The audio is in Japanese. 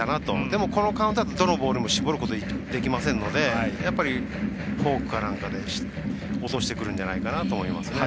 でも、このカウントだとどのボールも絞ることはできませんのでやっぱりフォークかなんかで落としてくるんじゃないかなと思いますね。